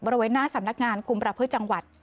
บริเวณหน้าสำนักงานคุมประพฤติจังหวัด